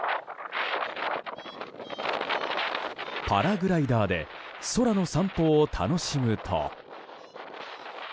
パラグライダーで空の散歩を楽しむと。